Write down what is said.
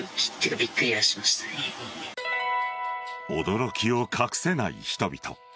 驚きを隠せない人々。